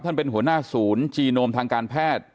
เป็นหัวหน้าศูนย์จีโนมทางการแพทย์